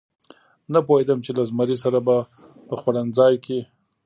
نه پوهېدم چې له زمري سره به په خوړنځای کې.